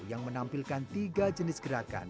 yang menampilkan tiga jenis gerakan